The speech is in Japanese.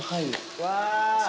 うわ！